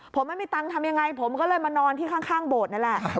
ผมไม่มีตังค์ทำยังไงผมก็เลยมานอนที่ข้างโบสถ์นั่นแหละ